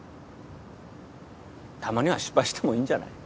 たまには失敗してもいいんじゃない？